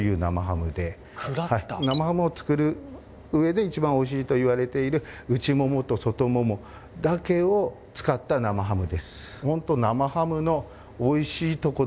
生ハムを作るうえでいちばんおいしいといわれている内ももと外ももだけを使った生ハムです。